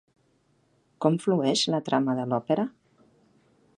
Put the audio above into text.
Com flueix la trama de l'òpera?